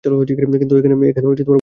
কিন্তু এখানে ভয়ানক খরচ হয়।